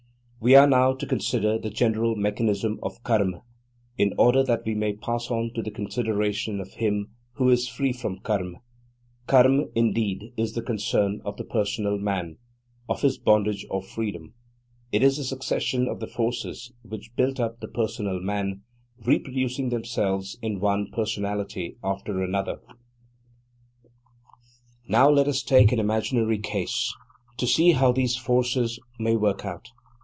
We are now to consider the general mechanism of Karma, in order that we may pass on to the consideration of him who is free from Karma. Karma, indeed, is the concern of the personal man, of his bondage or freedom. It is the succession of the forces which built up the personal man, reproducing themselves in one personality after another. Now let us take an imaginary case, to see how these forces may work out.